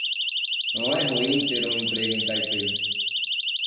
Não é ruim ter um emprego em Taipei.